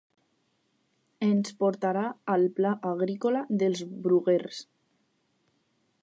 ens portarà al pla agrícola dels Bruguers